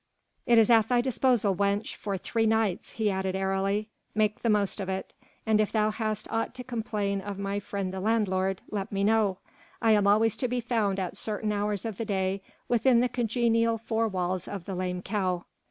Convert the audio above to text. It is at thy disposal, wench, for three nights," he added airily, "make the most of it; and if thou hast aught to complain of my friend the landlord, let me know. I am always to be found at certain hours of the day within the congenial four walls of the 'Lame Cow.'